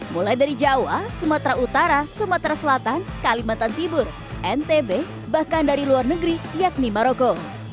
mulai dari jawa sumatera utara sumatera selatan kalimantan tibur ntb bahkan dari luar negeri yakni maroko